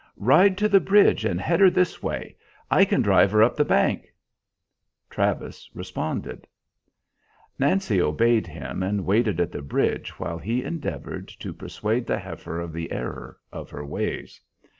"Ride to the bridge and head her this way. I can drive her up the bank," Travis responded. Nancy obeyed him, and waited at the bridge while he endeavored to persuade the heifer of the error of her ways.